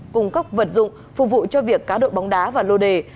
cung cấp vật dụng phục vụ cho việc cá độ bóng đá và lô đề